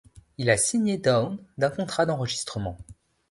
Il a signé Down d'un contrat d'enregistrement.